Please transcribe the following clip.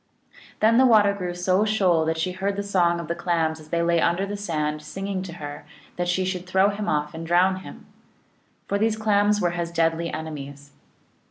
Then the water grew so shoal that she heard the song of the Clams as they lay under the sand, singing to her that she should throw him off and drown him. For these Clams were his deadly enemies.